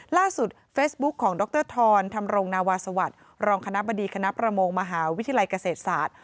ล่าสุดเฟสบุ๊คของดรทอนธรรมรงค์นาวาสวรรค์รองคณะบดีคณะประมงมหาวิทยาลัยเกษตรศาสตร์